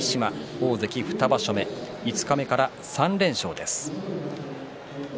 大関２場所目五日目から３連勝です。